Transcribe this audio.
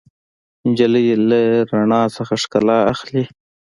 نجلۍ له رڼا نه ښکلا اخلي.